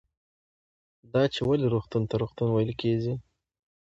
دا چې ولې روغتون ته روغتون ویل کېږي